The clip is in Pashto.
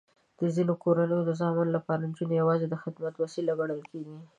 د ځینو کورنیو د زامنو لپاره نجونې یواځې د خدمت وسیله ګڼل کېږي.